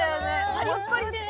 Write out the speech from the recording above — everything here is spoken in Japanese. パリッパリでね。